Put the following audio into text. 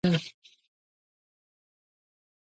امام عملو ته کتل.